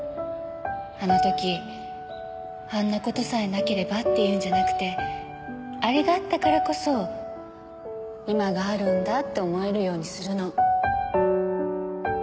あの時あんな事さえなければっていうんじゃなくてあれがあったからこそ今があるんだって思えるようにするの。